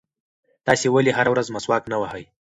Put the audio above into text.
تاسې ولې هره ورځ مسواک نه وهئ؟